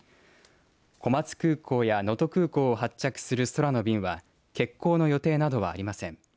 小松空港や能登空港を発着する空の便は欠航の予定などはありません。